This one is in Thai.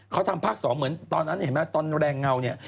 เขาทำภาค๒เหมือนตอนนั้นเห็นไหมตอนแรงเงาเนี่ย